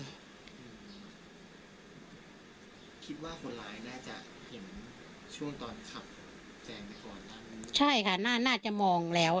คิดว่าคนร้ายน่าจะเห็นช่วงตอนขับแซงไปก่อนใช่ค่ะน่าจะมองแล้ว